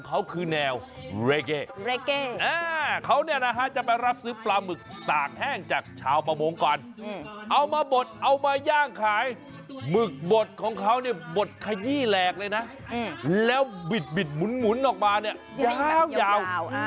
อย่าเขี่ยหลากเลยนะแล้วบิดบิดหมุนออกมาอย่าหยาว